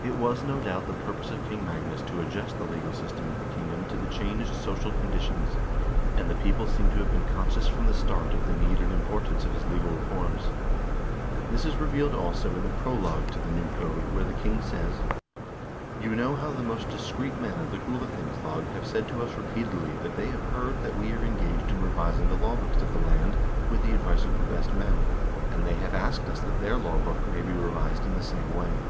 It was, no doubt, the purpose of King Magnus to adjust the legal system of the kingdom to the changed social condi tions, and the people seem to have been conscious from the start of the need and importance of his legal reforms. This is revealed also in the prologue to the new code where the king says :" You know how the most discreet men of the Gulathingslag have said to us repeatedly that they have heard that we are engaged in revising the lawbooks of the land with the advice of the best men, and they have asked us that their lawbook may be revised in the same way."